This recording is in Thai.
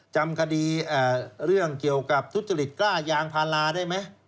จำคดีเรื่องเกี่ยวกับทุจริตกล้ายางพาราได้ไหม